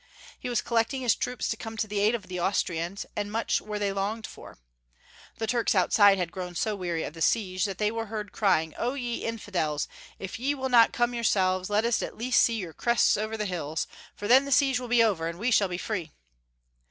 He was collecting his troops to come to the aid of the Austrians, and much were they longed for. The Tui*ks outside had grown so weary of the siege that they were heard crying, " O ye infidels, if ye will not come yourselves, let us at least see your crests over the hills, for then the siege will be over, and we shall be free."